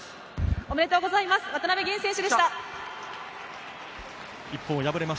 おめでとうございます。